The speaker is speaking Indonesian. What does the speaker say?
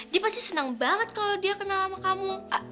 dia pasti senang banget kalau dia kenal sama kamu